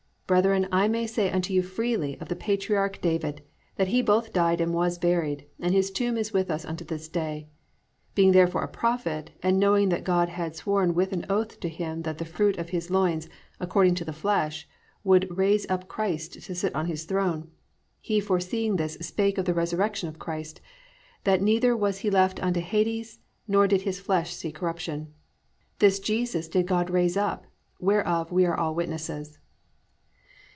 Brethren, I may say unto you freely of the patriarch David, that he both died and was buried, and his tomb is with us unto this day. Being therefore a prophet, and knowing that God has sworn with an oath to him that of the fruit of his loins, according to the flesh, he would raise up Christ to sit on his throne; he foreseeing this spake of the resurrection of Christ, that neither was he left unto Hades, nor did his flesh see corruption. This Jesus did God raise up, whereof we all are witnesses."